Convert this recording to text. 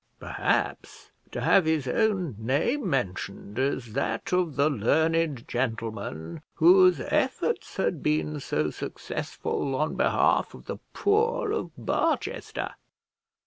Perhaps to have his own name mentioned as that of the learned gentleman whose efforts had been so successful on behalf of the poor of Barchester!